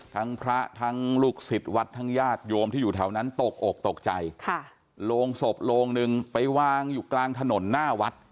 ทั้งพระทั้งลูกศิษย์วัดทั้งญาติโยมที่อยู่แถวนั้นตกอกตกใจค่ะโรงศพโรงนึงไปวางอยู่กลางถนนหน้าวัด